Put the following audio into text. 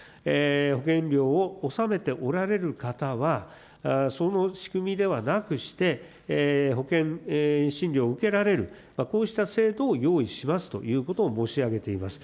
保険料を納めておられる方は、その仕組みではなくして、保険診療を受けられる、こうした制度を用意しますということを申し上げています。